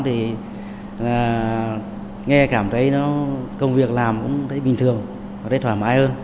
thì nghe cảm thấy công việc làm cũng thấy bình thường thấy thoải mái hơn